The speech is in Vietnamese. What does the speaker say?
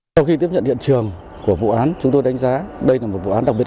sau khi tiếp nhận hiện trường của vụ án chúng tôi đã tìm ra một số tài sản trụng cắp được cất giấu ở nhiều nơi